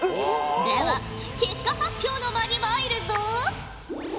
では結果発表の間に参るぞ。